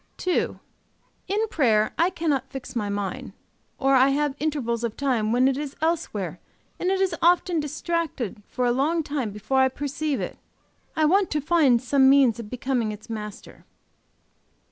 "II. In prayer I cannot fix my mind, or I have intervals of time when it is elsewhere and it is often distracted for a long time before I perceive it. I want to find some means of becoming its master.